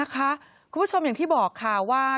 คุณผู้ชมอย่างที่บอกค่ะว่า